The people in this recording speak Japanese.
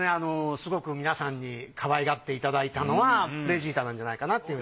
すごく皆さんにかわいがっていただいたのはベジータなんじゃないかなっていう。